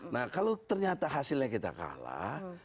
nah kalau ternyata hasilnya kita kalah